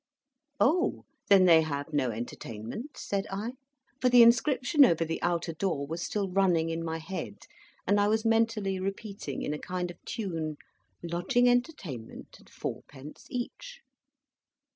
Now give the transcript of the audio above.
"O! Then they have no Entertainment?" said I. For the inscription over the outer door was still running in my head, and I was mentally repeating, in a kind of tune, "Lodging, entertainment, and fourpence each."